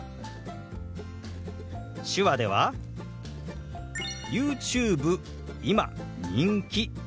手話では「ＹｏｕＴｕｂｅ今人気」となります。